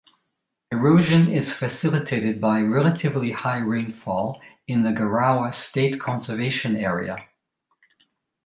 Erosion is facilitated by relatively high rainfall in the Garrawarra State Conservation Area.